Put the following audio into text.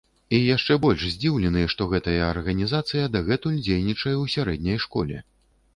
І яшчэ больш здзіўлены, што гэтая арганізацыя дагэтуль дзейнічае ў сярэдняй школе.